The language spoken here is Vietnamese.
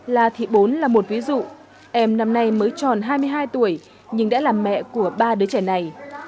la thị bốn là một ví dụ em năm nay mới tròn hai mươi hai tuổi nhưng đã là mẹ của ba đứa trẻ này